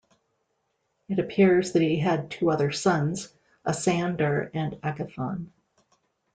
It appears that he had two other sons, Asander and Agathon.